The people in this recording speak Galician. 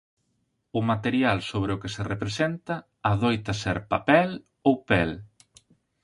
O material sobre o que se representa adoita ser papel ou pel.